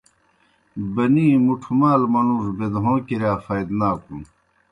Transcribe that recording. بَنِی مُٹھوْ مال منُوڙوْ بِدہَوں کِرِیا فائدناکُن۔